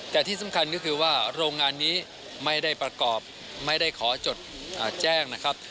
แต่ที่สำคัญก็คือว่าโรงงานนี้ไม่ได้ประกอบไม่ได้ขอจดแจ้งนะครับ